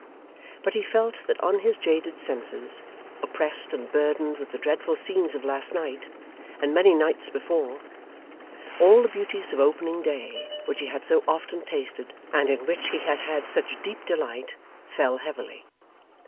But he felt that on his jaded senses, oppressed and burdened with the dreadful scenes of last night, and many nights before, all the beauties of opening day, which he had so often tasted, and in which he had had such deep delight, fell heavily.